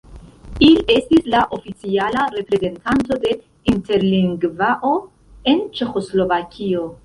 Il estis la oficiala reprezentanto de Interlingvao en Ĉeĥoslovakio.